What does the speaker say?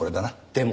でも。